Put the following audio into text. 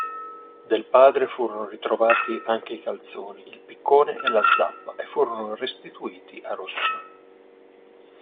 Del padre furono ritrovati anche i calzoni, il piccone e la zappa, e furono restituiti a Rosso.